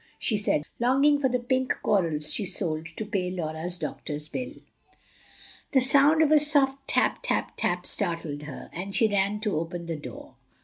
she said, longing for the pink corals she sold to pay Laura's doctor's bill. The sound of a soft tap, tap, tap, startled her, and she ran to open the door.